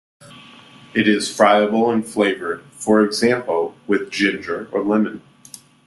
It is friable and flavoured, for example, with ginger or lemon.